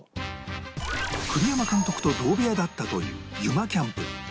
栗山監督と同部屋だったというユマキャンプ